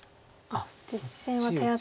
実戦は手厚く。